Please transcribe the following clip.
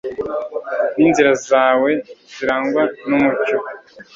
n'inzira zawe zirangwe n'umucyo